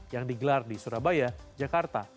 yang digelar di surabaya jakarta